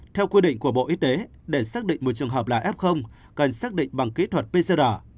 theo quy định của bộ y tế để xác định một trường hợp là f cần xác định bằng kỹ thuật pcr